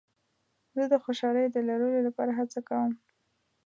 زه د خوشحالۍ د لرلو لپاره هڅه کوم.